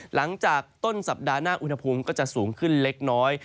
หลังจากต้นสัปดาห์หน้าอุณหภูมิก็จะสูงขึ้นเล็กน้อย